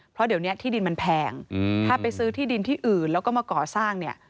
เพราะเดี๋ยวนี้ที่ดินมันแพงถ้าไปซื้อที่ดินที่อื่นแล้วก็มาก่อสร้างเนี่ย